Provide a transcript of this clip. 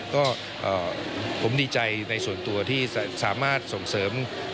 ก็ผมดีใจในส่วนตัวที่สามารถส่งเสริมความสามารถ